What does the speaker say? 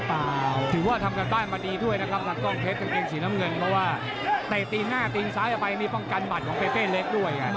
แต่ตีนหน้าตีนซ้ายมีพลังกันบัตรของเปเปเล็กด้วย